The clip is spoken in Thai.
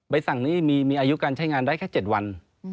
สั่งนี้มีอายุการใช้งานได้แค่๗วัน